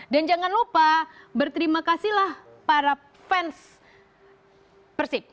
dan jangan lupa berterima kasih lah para fans persib